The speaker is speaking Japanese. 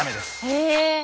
へえ！